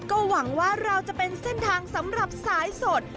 ก็หวังว่าเราจะเป็นเส้นทางสำหรับสายสด